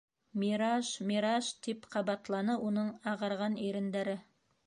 «Мираж, мираж!» - тип ҡабатланы уның ағарған ирендәре.